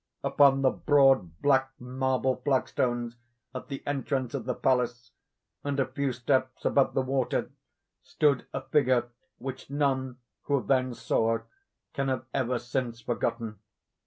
Upon the broad black marble flagstones at the entrance of the palace, and a few steps above the water, stood a figure which none who then saw can have ever since forgotten.